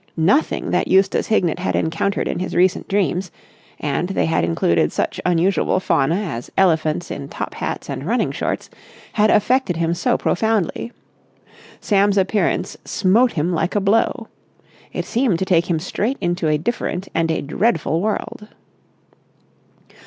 Nothing that Eustace Hignett had encountered in his recent dreams—and they had included such unusual fauna as elephants in top hats and running shorts—had affected him so profoundly. Sam's appearance smote him like a blow. It seemed to take him straight into a different and a dreadful world.